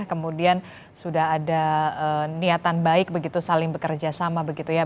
kemudian sudah ada niatan baik begitu saling bekerja sama begitu ya